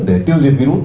để tiêu diệt virus